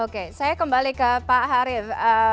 oke saya kembali ke pak harif